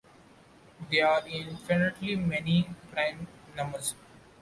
There are infinitely many prime numbers.